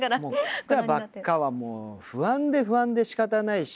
来たばっかはもう不安で不安でしかたないし。